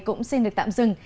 cũng xin được tạm dừng